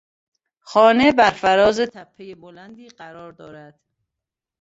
خانه بر فراز تپهی بلندی قرار دارد.